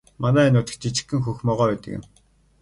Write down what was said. Манай энэ нутагт жижигхэн хөх могой байдаг юм.